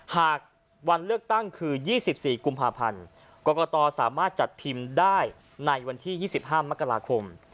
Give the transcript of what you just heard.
หากวันเลือกตั้งคือ๒๔กุมภาพันธ์กรกตสามารถจัดพิมพ์ได้ในวันที่๒๕มกราคม